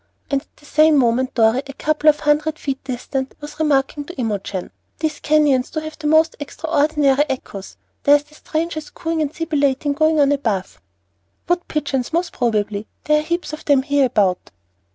] And at the same moment Dorry, a couple of hundred feet distant, was remarking to Imogen: "These canyons do have the most extraordinary echoes. There's the strangest cooing and sibilating going on above." "Wood pigeons, most probably; there are heaps of them hereabout."